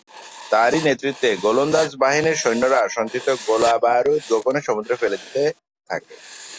তারই নেতৃত্বে গোলন্দাজ বাহিনীর সৈন্যরা সঞ্চিত গোলাবারুদ গোপনে সমুদ্রে ফেলে দিতে থাকে।